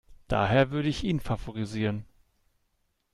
Daher würde ich ihn favorisieren.